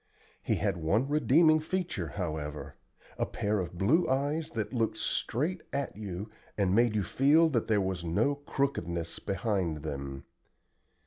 He had one redeeming feature, however a pair of blue eyes that looked straight at you and made you feel that there was no "crookedness" behind them.